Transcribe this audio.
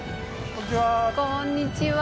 こんにちは。